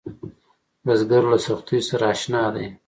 بزګر له سختیو سره اشنا دی